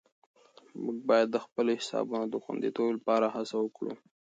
موږ باید د خپلو حسابونو د خوندیتوب لپاره هڅه وکړو.